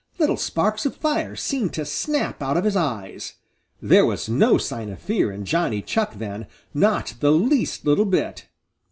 Little sparks of fire seemed to snap out of his eyes. There was no sign of fear in Johnny Chuck then, not the least little bit.